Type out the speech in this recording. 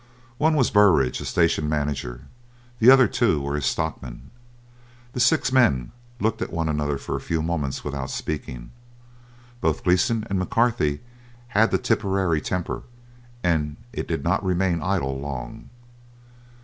One was Burridge, a station manager, the other two were his stockmen. The six men looked at one another for a few moments without speaking. Both Gleeson and McCarthy had the Tipperary temper, and it did not remain idle long.